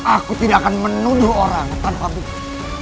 aku tidak akan menuduh orang tanpa bukti